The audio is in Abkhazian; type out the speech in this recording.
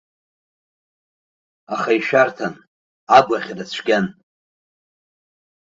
Аха ишәарҭан, агәаӷьра цәгьан.